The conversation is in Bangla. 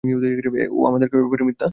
ও আমাদেরকেও এ ব্যাপারে মিথ্যা বলেছে।